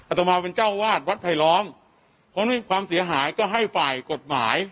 ต่อมาเป็นเจ้าวาดวัดไผลล้อมเพราะนี่ความเสียหายก็ให้ฝ่ายกฎหมาย